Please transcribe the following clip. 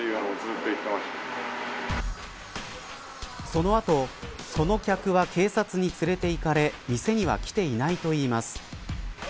その後その客は警察に連れて行かれ店には来ていないといいます。